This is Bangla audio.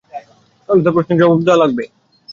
তাহলে তো প্রশ্নের জবাব দেয়া লাগবে।